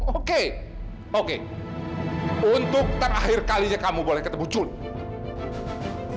oke oke untuk terakhir kalinya kamu boleh ketemu jun